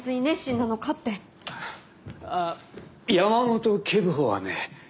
あ山本警部補はね